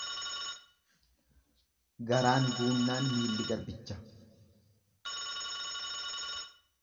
Garaan guunnaan milli garbicha.